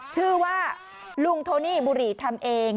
ชื่อว่าลุงโทนี่บุหรี่ทำเอง